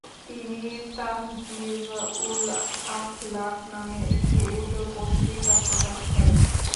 তিনি ‘তাহজিব-উল-আখলাক’ নামে একটি উর্দু পত্রিকা প্রকাশ করেন।